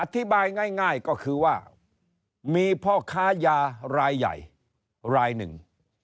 อธิบายง่ายก็คือว่ามีพ่อค้ายารายใหญ่รายหนึ่ง